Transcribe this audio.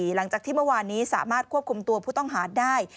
หลังจากที่เมื่อวานนี้สามารถควบคุมตัวผู้ต้องหาได้